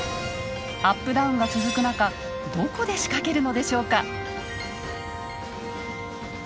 アップダウンが続く中どこで仕掛けるのでしょうか？